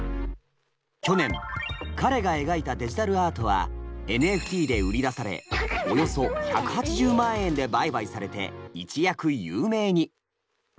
去年彼が描いたデジタルアートはＮＦＴで売り出されおよそ１８０万円で売買されて一躍有名に。